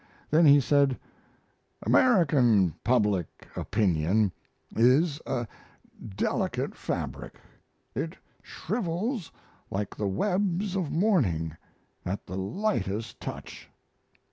Then he said: "American public opinion is a delicate fabric. It shrivels like the webs of morning at the lightest touch."